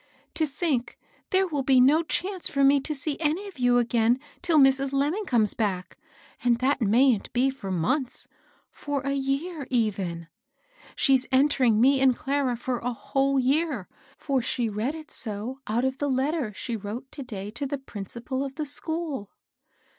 To think there will be no chance for me to see any of you^ again till Mrs. Lem ming comes back, and that mayn't be for months, — for a year even ! She's entering me and Clara for a whole year; for she read it so out of the letter she wrote to day to the principal of the school.